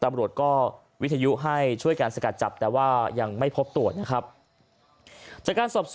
ตำรวจก็วิทยุให้ช่วยกันสกัดจับแต่ว่ายังไม่พบตัวนะครับ